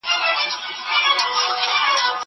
زه کولای سم ليکلي پاڼي ترتيب کړم.